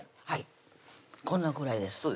はいこんなぐらいです